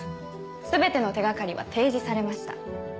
全ての手掛かりは提示されました。